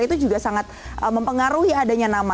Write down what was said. itu juga sangat mempengaruhi adanya nama